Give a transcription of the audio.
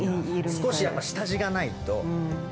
少しやっぱ下地がないと。